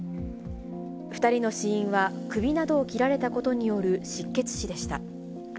２人の死因は首などを切られたことによる失血死でした。